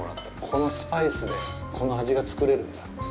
このスパイスでこの味が作れるんだって。